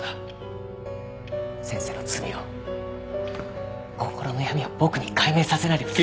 先生の罪を心の闇を僕に解明させないでください。